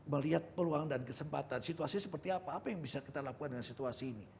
melihat peluang dan kesempatan situasi seperti apa apa yang bisa kita lakukan dengan situasi ini